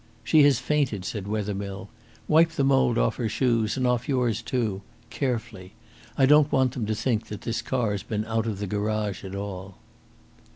"She has fainted," said Wethermill. "Wipe the mould off her shoes and off yours too carefully. I don't want them to think this car has been out of the garage at all."